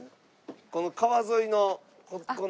この川沿いのここの。